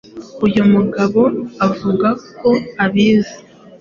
Uyu mugabo avuga ko abizi